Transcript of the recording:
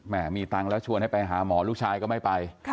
มีตังค์แล้วชวนให้ไปหาหมอลูกชายก็ไม่ไป